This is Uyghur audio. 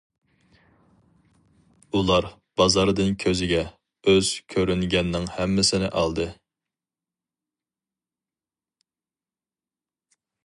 ئۇلار بازاردىن كۆزىگە ئۇز كۆرۈنگەننىڭ ھەممىسىنى ئالدى.